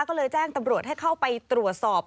ก็เลยแจ้งตำรวจให้เข้าไปตรวจสอบ